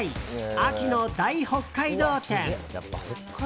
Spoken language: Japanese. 秋の大北海道展！